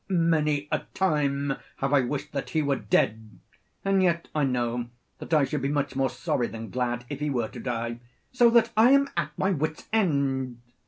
Many a time have I wished that he were dead, and yet I know that I should be much more sorry than glad, if he were to die: so that I am at my wit's end.